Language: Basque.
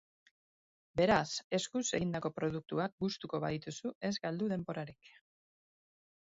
Beraz, eskuz egindako produktuak gustuko badituzu ez galdu denborarik.